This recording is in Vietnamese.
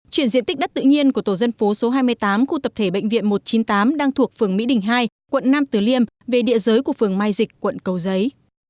chuyển diện tích đất tự nhiên của tổ dân phố số hai mươi tám khu tập thể bệnh viện một trăm chín mươi tám đang thuộc phường mỹ đình hai quận nam tử liêm về địa giới của phường mai dịch quận cầu giấy